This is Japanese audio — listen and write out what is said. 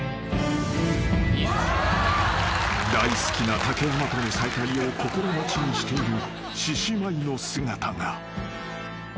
［大好きな竹山との再会を心待ちにしている獅子舞の姿が］